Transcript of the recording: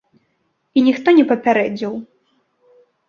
І ніхто не папярэдзіў.